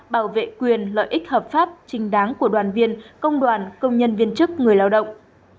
bảo vệ quyền lợi ích hợp pháp trình đáng của đoàn viên công đoàn công nhân viên chức người lao động